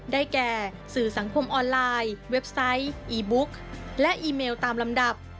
แก่สื่อสังคมออนไลน์เว็บไซต์อีบุ๊กและอีเมลตามลำดับ